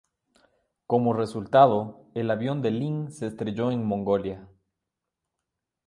Como resultado, el avión de Lin se estrelló en Mongolia.